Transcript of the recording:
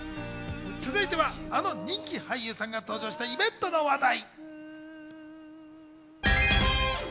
続いては、あの人気俳優さんが登場したイベントの話題。